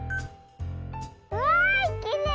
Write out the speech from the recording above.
わあきれい！